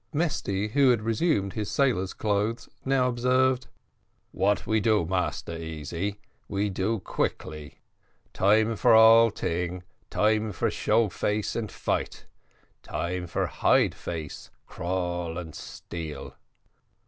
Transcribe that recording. Mesty, who had resumed his sailor's clothes, now observed, "What we do, Massa Easy, we do quickly time for all ting, time for show face and fight time for hide face, crawl, and steal."